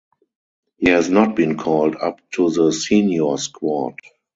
He has not been called up to the senior squad.